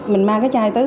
mình mang cái chai tới